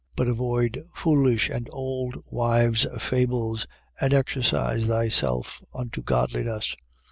4:7. But avoid foolish and old wives fables: and exercise thyself unto godliness.